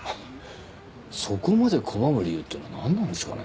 そこまで拒む理由っていうのはなんなんですかね？